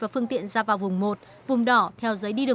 thì trên tay trong tay của anh đã có giấy tờ